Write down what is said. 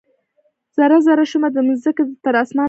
ذره ، ذره شومه د مځکې، تراسمان ولاړمه